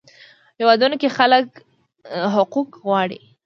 هیوادونو کې خلک حقوق غواړي.